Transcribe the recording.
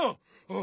あ！